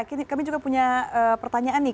kami juga punya pertanyaan nih